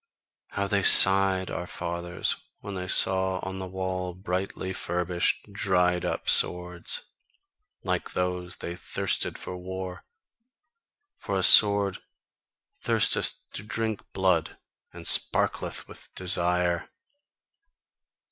How they sighed, our fathers, when they saw on the wall brightly furbished, dried up swords! Like those they thirsted for war. For a sword thirsteth to drink blood, and sparkleth with desire."